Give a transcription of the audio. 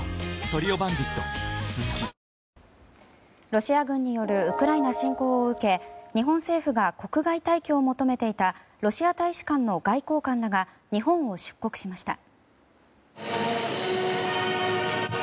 ロシア軍によるウクライナ侵攻を受け日本政府が国外退去を求めていたロシア大使館の外交官らが日本を出国しました。